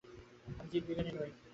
আমি জীববিজ্ঞানী নই।